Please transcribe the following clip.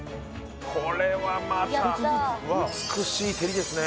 これはまたやった美しい照りですね